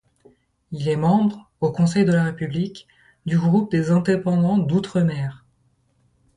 Il est membre, au Conseil de la République, du groupe des Indépendants d'outre-mer.